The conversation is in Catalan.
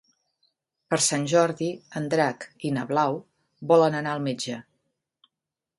Per Sant Jordi en Drac i na Blau volen anar al metge.